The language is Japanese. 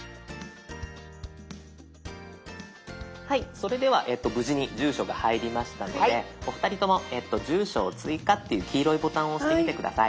それでは無事に住所が入りましたのでお二人とも「住所を追加」っていう黄色いボタンを押してみて下さい。